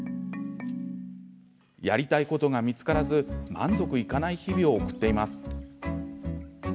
やりたいことが見つからず満足いかない日々を送っています。